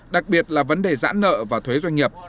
đặc biệt là vấn đề giãn nợ và thuế doanh nghiệp